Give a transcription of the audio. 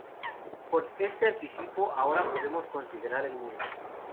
Con este anticipo ahora podemos considerar el mundo.